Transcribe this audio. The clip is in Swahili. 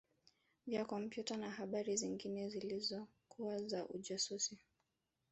vya kompyuta na habari zingine zilizokuwa za ujasusi